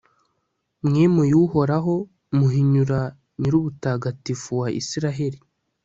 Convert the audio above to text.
mwimuye uhoraho, muhinyura nyirubutagatifu wa israheli